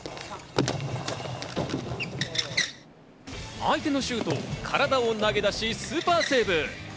相手のシュートを体を投げ出しスーパーセーブ！